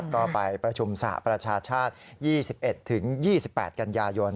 ก็ไปประชุมสหประชาชาติ๒๑๒๘กันยายน